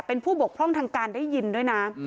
เป็นผู้บกพร่องทางการได้ยินด้วยนะ